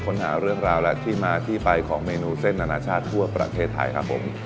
ค้นหาเรื่องราวและที่มาที่ไปของเมนูเส้นอนาชาติทั่วประเทศไทยครับผม